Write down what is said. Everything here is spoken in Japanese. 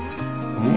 うん？